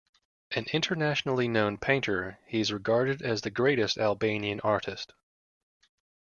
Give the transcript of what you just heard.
An internationally known painter, he is regarded as the greatest Albanian artist.